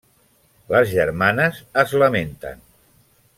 Les germanes es lamenten.